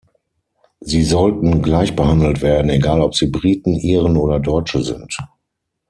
Sie sollten gleich behandelt werden, egal ob sie Briten, Iren oder Deutsche sind.